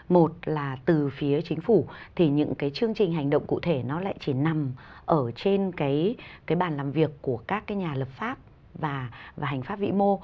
một là từ phía chính phủ thì những cái chương trình hành động cụ thể nó lại chỉ nằm ở trên cái bàn làm việc của các cái nhà lập pháp và hành pháp vĩ mô